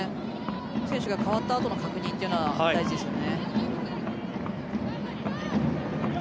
選手が代わったあとの確認というのは大事ですね。